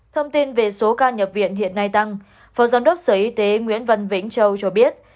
thông tin về số ca nhập viện hiện nay tăng phó giám đốc sở y tế nguyễn văn vĩnh châu cho biết